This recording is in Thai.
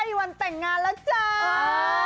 มีวันแต่งงานแล้วจ้า